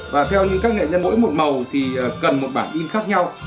và theo như các nghệ nhân mỗi một màu thì cần một bản in khác nhau